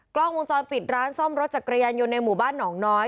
กล้องวงจรปิดร้านซ่อมรถจักรยานยนต์ในหมู่บ้านหนองน้อย